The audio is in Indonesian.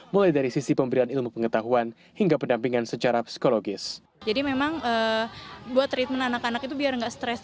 mulai dari sisi pemberian ilmu pengetahuan hingga pendampingan secara psikologis